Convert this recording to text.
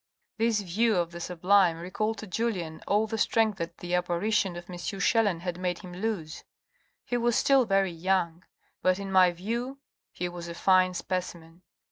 This view of the sublime recalled to Julien all the strength that the apparition of M. Chelan had made him lose. He A TURRET 475 was still very young ; but in my view he was a fine specimen.